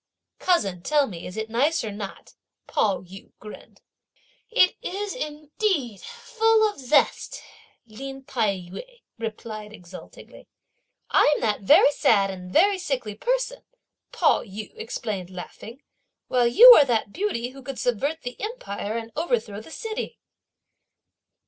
"Cousin, tell me is it nice or not?" Pao yü grinned. "It is indeed full of zest!" Lin Tai yü replied exultingly. "I'm that very sad and very sickly person," Pao yü explained laughing, "while you are that beauty who could subvert the empire and overthrow the city."